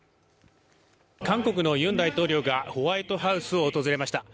韓国のユン大統領がホワイトハウスを訪れました。